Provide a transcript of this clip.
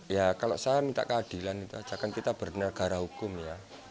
ya kalau saya minta keadilan itu ajakkan kita berdena gara hukum ya